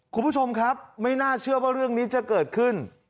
คุณผู้ชมครับไม่น่าเชื่อว่าเรื่องนี้จะเกิดขึ้น